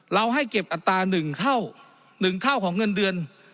เราให้เก็บอัตราหนึ่งเท่าหนึ่งเท่าของเงินเดือน